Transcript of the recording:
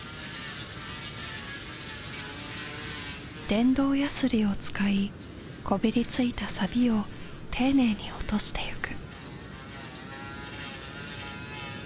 電動やすりを使いこびりついたサビを丁寧に落としてゆく。